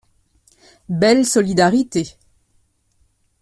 Belle solidarité!